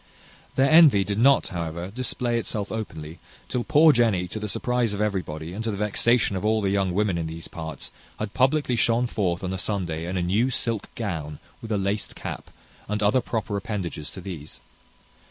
Their envy did not, however, display itself openly, till poor Jenny, to the surprize of everybody, and to the vexation of all the young women in these parts, had publickly shone forth on a Sunday in a new silk gown, with a laced cap, and other proper appendages to these.